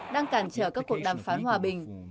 đang cản trở các cuộc đàm phán hòa bình